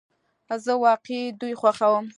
زه واقعی دوی خوښوم